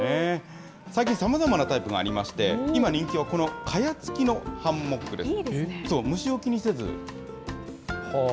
最近、さまざまなタイプがありまして、今、人気はこの蚊帳付きのハンモックです。